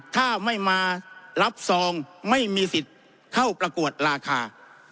ถ้าไม่มารับซองไม่มีสิทธิ์เข้าประกวดราคา